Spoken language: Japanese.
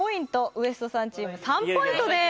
ＷＥＳＴさんチーム３ポイントです